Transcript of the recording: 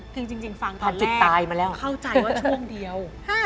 คือจริงฟังตอนแรกเข้าใจว่าช่วงเดียว